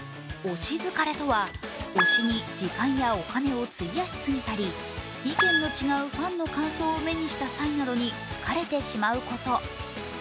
推し疲れとは、推しに時間やお金を費やしすぎたり意見の違うファンの感想を目にした際などに疲れてしまうこと。